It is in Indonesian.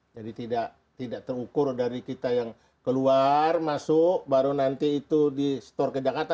jadi tidak terukur dari kita yang keluar masuk baru nanti itu di store ke jakarta